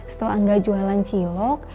setelah gak jualan cilok